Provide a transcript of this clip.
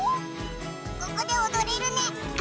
ここでおどれるね。